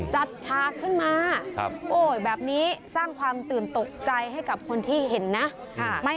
จัดฉากขึ้นมาโอ้ยแบบนี้สร้างความตื่นตกใจให้กับคนที่เห็นนะ